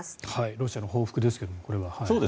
ロシアの報復ですがこれは。